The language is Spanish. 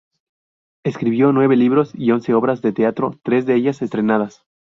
Escribió nueve libros y once obras de teatro, tres de ellas estrenadas.